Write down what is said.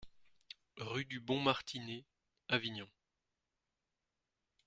Rue du Bon Martinet, Avignon